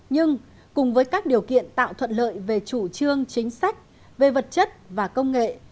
nhưng cùng với các điều kiện tạo thuận lợi về chủ trương chính sách về vật chất và công nghệ